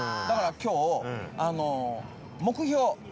だから今日目標。